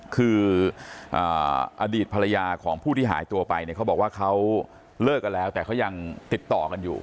คืออดีตภรรยาของผู้ที่หายตัวไปเนี่ยเขาบอกว่าเขาเลิกกันแล้วแต่เขายังติดต่อกันอยู่